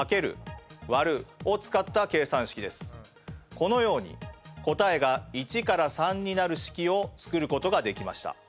このように答えが１から３になる式を作ることができました。